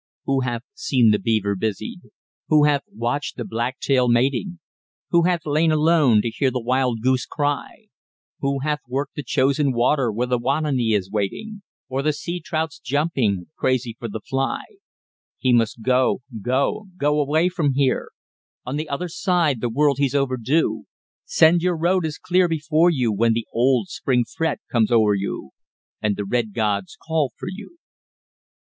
Who hath seen the beaver busied? Who hath watched the black tail mating? Who hath lain alone to hear the wild goose cry? Who hath worked the chosen water where the ouananiche is waiting, Or the sea trout's jumping crazy for the fly? He must go go go away from here! On the other side the world he's overdue. 'Send your road is clear before you when the old Spring fret comes o'er you And the Red Gods call for you!"